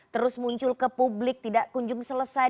terus muncul ke publik tidak kunjung selesai